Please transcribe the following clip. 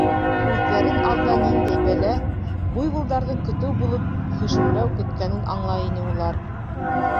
Үҙҙәрен алда ниндәй бәлә — буйволдарҙың көтөү булып һөжүмләү көткәнен аңлай ине улар.